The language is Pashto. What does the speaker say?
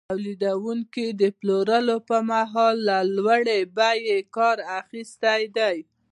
تولیدونکي د پلورلو پر مهال له لوړې بیې کار اخیستی دی